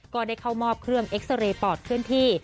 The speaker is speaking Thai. ก็ได้เข้ามอบเครื่องเอ็กซาเรย์ปอดเคลื่อนที่